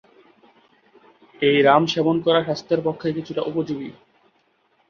এই রাম সেবন করা স্বাস্থ্যের পক্ষে কিছুটা উপযোগী।